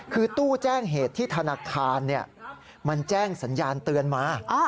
คือตู้แจ้งเหตุที่ธนาคารมันแจ้งสัญญาณเตือนมา